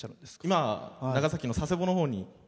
今、長崎の佐世保のほうに。